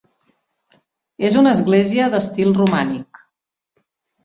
És una església d'estil romànic.